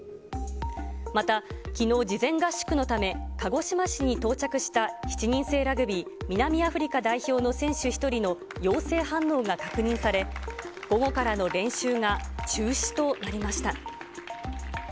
またきのう、事前合宿のため鹿児島市に到着した７人制ラグビー南アフリカ代表の選手１人の陽性反応が確認され、午後からの練習が中止となりました。